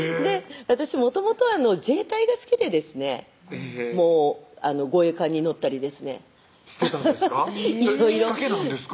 私もともと自衛隊が好きでですね護衛艦に乗ったりですねしてたんですかきっかけ何ですか？